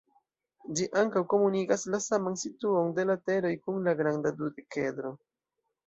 Ĝi ankaŭ komunigas la saman situon de lateroj kun la granda dudekedro.